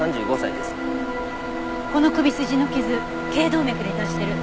この首筋の傷頸動脈に達してる。